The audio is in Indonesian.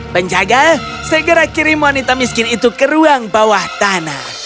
penjaga segera kirim wanita miskin itu ke ruang bawah tanah